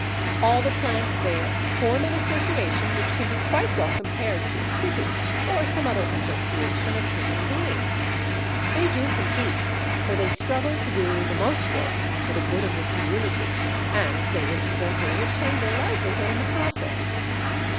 All the plants there form an association which can be quite well compared to a city or some other association of human beings. They do compete, for they struggle to do the most work for the good of the community, and they incidentally obtain their livelihood in the process.